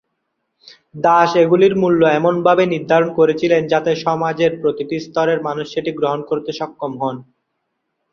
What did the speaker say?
দাশ এগুলির মূল্য এমনভাবে নির্ধারণ করেছিলেন যাতে সমাজের প্রতিটি স্তরের মানুষ সেটি গ্রহণ করতে সক্ষম হন।